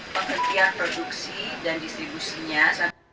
pengertian produksi dan distribusinya